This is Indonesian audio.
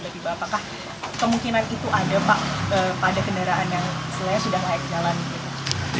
apakah kemungkinan itu ada pak pada kendaraan yang sudah naik jalan